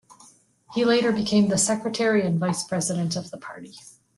He later became the Secretary and Vice President of the party.